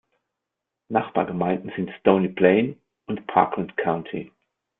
Nachbargemeinden sind Stony Plain und Parkland County.